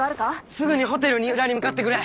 すぐにホテル二浦に向かってくれ。